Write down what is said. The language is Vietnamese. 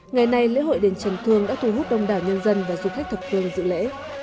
ngày nay lễ hội đền trần thương đã thu hút đông đảo nhân dân và du khách thực phương dự lễ